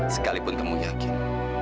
sekalipun kamu yakin